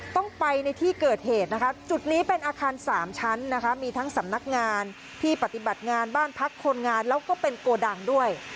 ต้องไปในที่เกิดเหตุนะคะจุดนี้เป็นอาคาร๓ชั้นนะคะมีทั้งสำนักงานที่ปฏิบัติงานบ้านพักคนงานแล้วก็เป็นโกดังด้วย